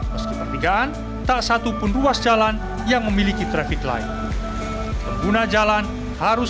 meski pertigaan tak satupun ruas jalan yang memiliki traffic light pengguna jalan harus